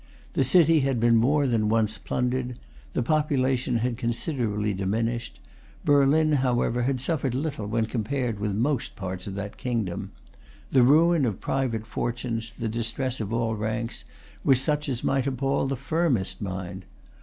The city had been more than once plundered. The population had considerably diminished. Berlin, however, had suffered little when compared with most parts of the kingdom. The ruin of private fortunes, the distress of all ranks, was such as might appall the firmest mind.